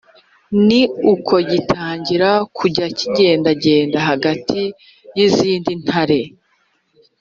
ni uko gitangira kujya kigendagenda hagati y’izindi ntare